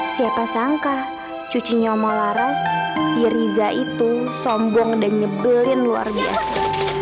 siapa sangka cucunya mau laras si riza itu sombong dan nyebelin luar biasa